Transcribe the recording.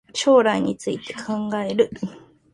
将来について考える